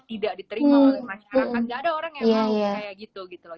tidak diterima oleh masyarakat nggak ada orang yang mau kayak gitu gitu loh